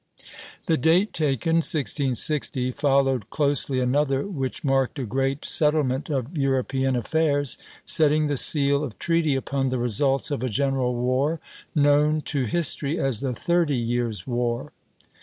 The date taken, 1660, followed closely another which marked a great settlement of European affairs, setting the seal of treaty upon the results of a general war, known to history as the Thirty Years' War.